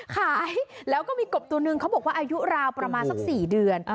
ขายแล้วก็มีกบตัวนึงเขาบอกว่าอายุราวประมาณสัก๔เดือน